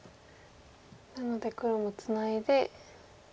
なので黒もツナいで。